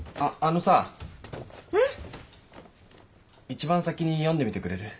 一番先に読んでみてくれる？